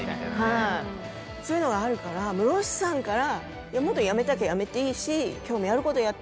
はいそういうのがあるから室伏さんから。